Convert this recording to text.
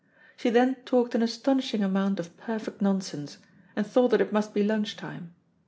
She then talked an astonishing amount of perfect nonsense, and thought that it must be lunch time.